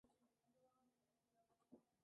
Representaban al Real Club de Yate de Noruega.